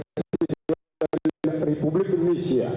lagu kebangsaan indonesia raya